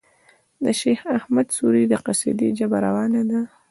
د شېخ اسعد سوري د قصيدې ژبه روانه ده.